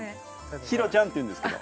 ヒロちゃんっていうんですけど。